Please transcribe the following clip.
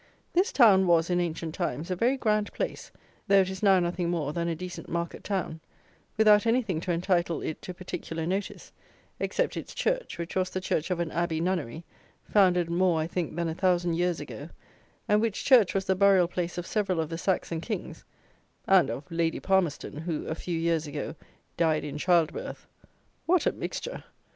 This town was, in ancient times, a very grand place, though it is now nothing more than a decent market town, without anything to entitle it to particular notice, except its church, which was the church of an Abbey Nunnery (founded more, I think, than a thousand years ago), and which church was the burial place of several of the Saxon Kings, and of "Lady Palmerstone," who, a few years ago, "died in child birth"! What a mixture!